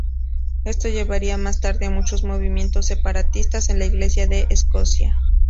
Esto llevaría más tarde a muchos movimientos separatistas en la Iglesia de Escocia.